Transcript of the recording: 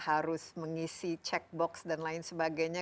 harus mengisi check box dan lain sebagainya